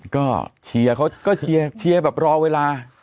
ก็เชียร์เขาก็เชียร์แบบรอเวลา